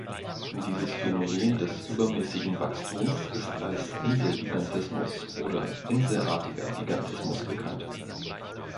Dieses Phänomen des übermäßigen Wachstums ist als Inselgigantismus oder inselartiger Gigantismus bekannt.